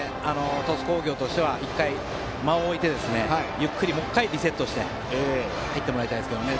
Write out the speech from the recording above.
鳥栖工業としては１回間を置いてゆっくり、リセットして入ってもらいたいですけどね。